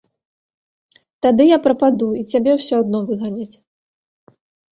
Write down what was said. Тады я прападу, і цябе ўсё адно выганяць.